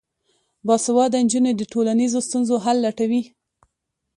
باسواده نجونې د ټولنیزو ستونزو حل لټوي.